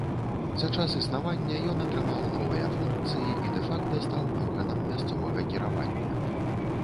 За час існавання ён атрымаў новыя функцыі і дэ-факта стаў органам мясцовага кіравання.